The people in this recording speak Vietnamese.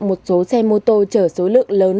một số xe mô tô trở số lượng lớn